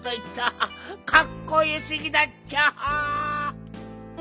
かっこよすぎだっちゃ！